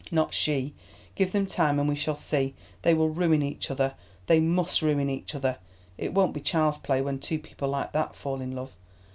Not she. Give them time, and we shall see. They will ruin each other—they must ruin each other; it won't be child's play when two people like that fall in love.